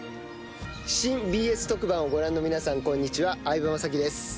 新ＢＳ特番をご覧の皆さんこんにちは、相葉雅紀です。